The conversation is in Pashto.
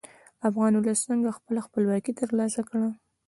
افغان ولس څنګه خپله خپلواکي تر لاسه کړه؟